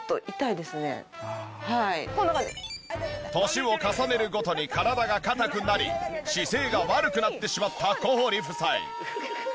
年を重ねるごとに体が硬くなり姿勢が悪くなってしまった小堀夫妻。